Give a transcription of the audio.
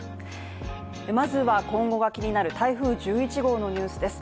まずは今後が気になる台風１１号のニュースです